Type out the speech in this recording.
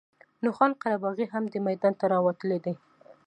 نو خان قره باغي هم دې میدان ته راوتلی دی.